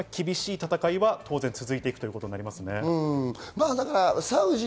厳しい戦いは当然続いていくということになりますね。